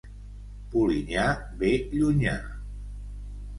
Polinyà ve llunyà.